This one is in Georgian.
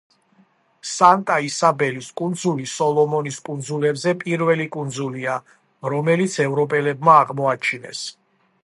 სანტა-ისაბელის კუნძული სოლომონის კუნძულებზე პირველი კუნძულია, რომელიც ევროპელებმა აღმოაჩინეს.